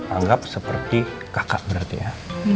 anggap seperti kakak berarti ya